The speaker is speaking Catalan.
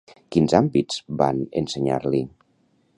Quins àmbits van ensenyar-li?